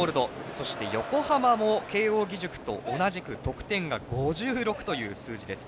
そして横浜も慶応義塾と同じく得点が５６という数字です。